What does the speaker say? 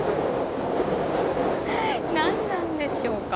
何なんでしょうか。